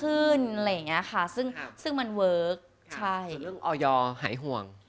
ส่วนเรื่องออยอหายห่วง